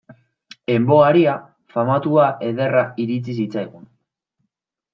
En vo aria famatua ederra iritsi zitzaigun.